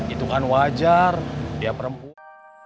itu kan wajar dia perempuan